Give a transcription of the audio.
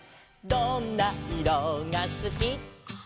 「どんないろがすき」「」